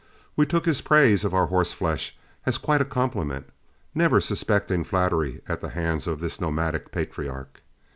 We took his praise of our horseflesh as quite a compliment, never suspecting flattery at the hands of this nomadic patriarch.